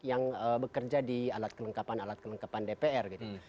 yang bekerja di alat kelengkapan alat kelengkapan dpr gitu